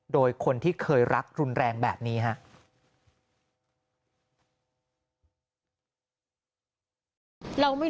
โดยคนที่เคยรักรุนแรงแบบนี้ครับ